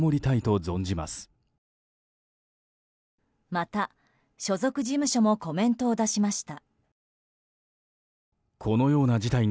また、所属事務所もコメントを出しました。